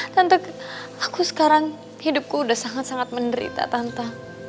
tante aku sekarang hidupku udah sangat sangat menderita tanta